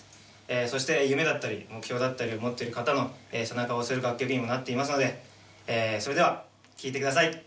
そして夢だったり目標だったりを持ってる方の背中を押す楽曲になっていますので、それでは聴いてください。